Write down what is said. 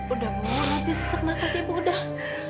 udah mau nanti sesak nafasnya bu udah